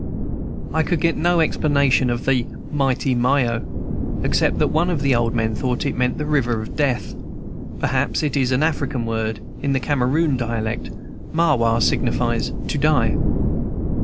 I could get no explanation of the "mighty Myo," except that one of the old men thought it meant the river of death. Perhaps it is an African word. In the Cameroon dialect, "Mawa" signifies "to die."